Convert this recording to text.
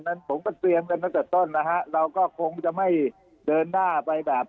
นั้นผมก็เตรียมกันตั้งแต่ต้นนะฮะเราก็คงจะไม่เดินหน้าไปแบบ